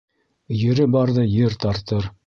Ере барҙы ер тартыр